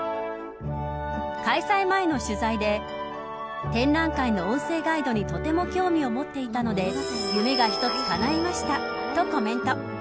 開催前の取材で展覧会の音声ガイドにとても興味を持っていたので夢が一つかないましたとコメント。